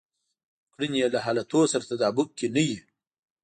کړنې يې له حالتونو سره تطابق کې نه وي.